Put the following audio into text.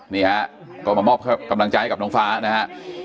นี่ฮะก็มามอบกำลังใจให้กับน้องฟ้านะฮะ